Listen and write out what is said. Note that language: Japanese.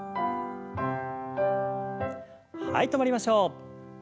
はい止まりましょう。